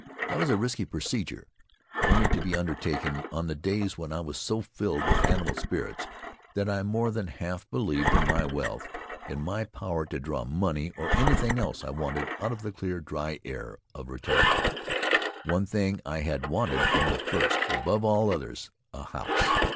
That was a risky procedure, only to be undertaken on the days when I was so filled with animal spirits that I more than half believed in my wealth, in my power to draw money or anything else I wanted out of the clear, dry air of Rutiaro. One thing I had wanted from the first, above all others — a house.